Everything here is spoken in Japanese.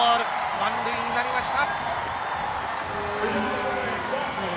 満塁になりました。